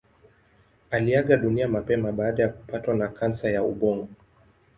Aliaga dunia mapema baada ya kupatwa na kansa ya ubongo.